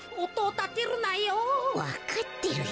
わかってるよ。